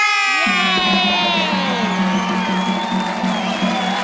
เย้